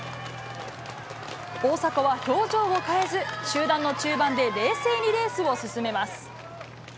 大迫は表情を変えず、集団の中盤で冷静にレースを進めます。